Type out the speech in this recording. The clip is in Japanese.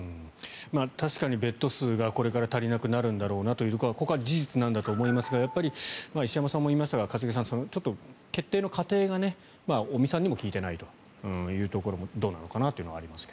確かにベッド数がこれから足りなくなるんだろうなというのはここは事実なんだと思いますが石山さんも言いましたが一茂さん、ちょっと決定の過程が尾身さんにも聞いてないところどうなのかなというのはありますか。